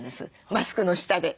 マスクの下で。